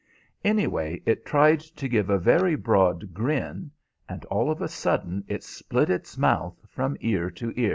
Anyway, it tried to give a very broad grin, and all of a sudden it split its mouth from ear to ear."